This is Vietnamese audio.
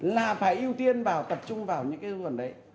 là phải ưu tiên vào tập trung vào những cái vấn đề đấy